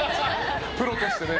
プロとしてね。